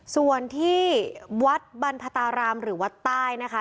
ส่วนที่วัดบรรพตารามหรือวัดใต้นะคะ